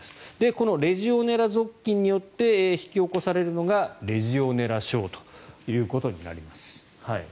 このレジオネラ属菌によって引き起こされるのがレジオネラ症ということになります。